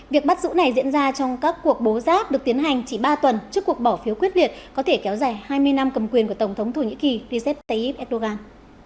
việc bắt giữ này diễn ra trong các cuộc bố giáp được tiến hành chỉ ba tuần trước cuộc bỏ phiếu quyết liệt có thể kéo dài hai mươi năm cầm quyền của tổng thống thổ nhĩ kỳ recep tayyip erdogan